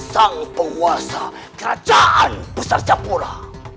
sang penguasa kerajaan besar capura